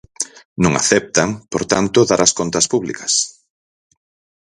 Non aceptan, por tanto, dar as contas públicas.